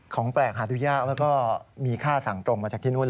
ของแปลกหาดูยากแล้วก็มีค่าสั่งตรงมาจากที่นู่น